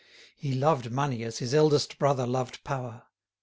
He loved money as his eldest brother loved power.